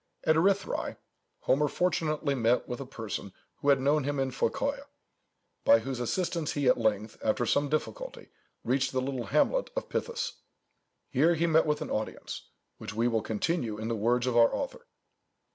At Erythræ, Homer fortunately met with a person who had known him in Phocœa, by whose assistance he at length, after some difficulty, reached the little hamlet of Pithys. Here he met with an adventure, which we will continue in the words of our author.